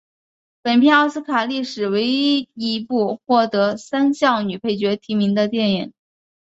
本片奥斯卡历史上唯一一部获得三项女配角提名的电影。